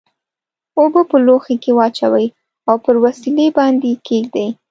اوبه په لوښي کې واچوئ او پر وسیلې باندې یې کیږدئ.